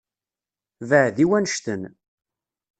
Beεεed i wannect-en.